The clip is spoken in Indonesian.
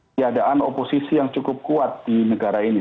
tiadaan oposisi yang cukup kuat di negara ini